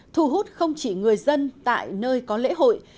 thu hút không chỉ người dân tại nơi có lễ hội